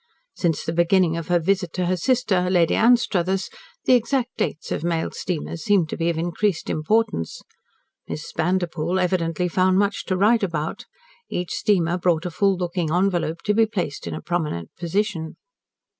Since the beginning of her visit to her sister, Lady Anstruthers, the exact dates of mail steamers seemed to be of increased importance. Miss Vanderpoel evidently found much to write about. Each steamer brought a full looking envelope to be placed in a prominent position.